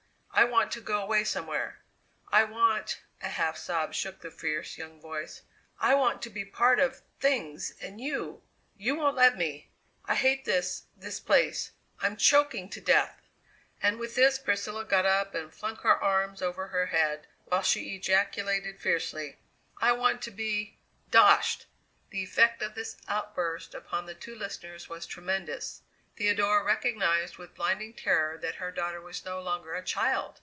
I want to go away somewhere! I want" a half sob shook the fierce, young voice "I want to be part of things, and you you won't let me! I hate this this place; I'm choking to death!" And with this Priscilla got up and flung her arms over her head, while she ejaculated fiercely: "I want to be doshed!" The effect of this outburst upon the two listeners was tremendous. Theodora recognized with blinding terror that her daughter was no longer a child!